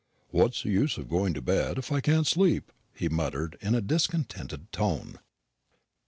"What's the use of going to bed, if I can't sleep?" he muttered, in a discontented tone.